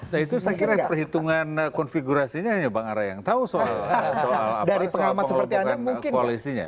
nah itu saya kira perhitungan konfigurasinya hanya bang arya yang tahu soal apakah koalisinya